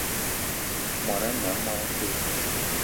Món ané a monatele